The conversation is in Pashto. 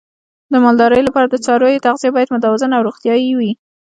د مالدارۍ لپاره د څارویو تغذیه باید متوازنه او روغتیايي وي.